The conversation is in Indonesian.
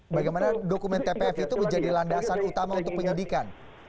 bagaimana dokumen tpf itu menjadi landasan utama untuk penyidikan